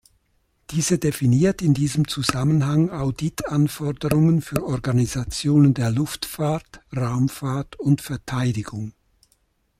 Diese definiert in diesem Zusammenhang Audit-Anforderungen für Organisationen der Luftfahrt, Raumfahrt und Verteidigung.